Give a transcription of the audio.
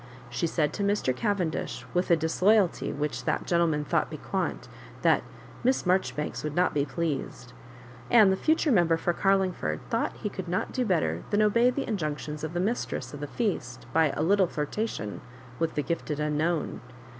She said to Mr. Cavendish, with a disloyalty which that gentleman thought piquant, t^at "^Miss Marjori banks would not be pleased;" andv^ the future Member for Carlingford thought he could not do better than obey the injunctions of tlie mistress of the feast by a little flirtation with the gifted unknown.